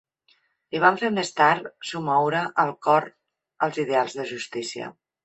Li van fer més tard somoure el cor els ideals de justícia